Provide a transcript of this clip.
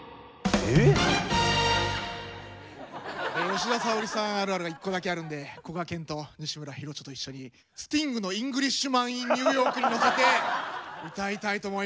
吉田沙保里さんあるあるが１個だけあるんでこがけんと西村ヒロチョと一緒にスティングの「ＥｎｇｌｉｓｈｍａｎｉｎＮｅｗＹｏｒｋ」に乗せて歌いたいと思います。